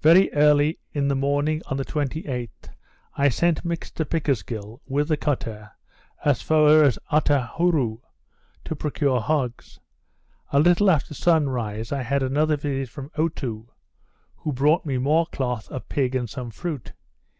Very early in the morning on the 28th, I sent Mr Pickersgill, with the cutter, as far as Ottahourou, to procure hogs. A little after sun rise, I had another visit from Otoo, who brought me more cloth, a pig, and some fruit.